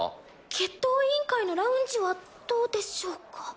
決闘委員会のラウンジはどうでしょうか？